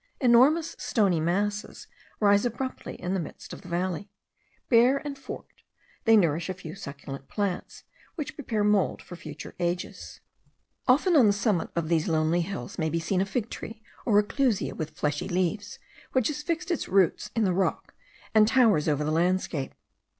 Enormous stony masses rise abruptly in the midst of the valley. Bare and forked, they nourish a few succulent plants, which prepare mould for future ages. Often on the summit of these lonely hills may be seen a fig tree or a clusia with fleshy leaves, which has fixed its roots in the rock, and towers over the landscape.